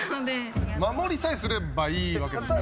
守りさえすればいいわけですね。